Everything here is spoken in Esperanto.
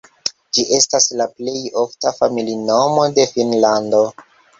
Ĝi estas la plej ofta familinomo de Finnlando.